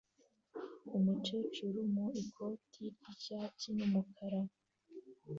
Umukecuru mu ikoti ry'icyatsi n'umukara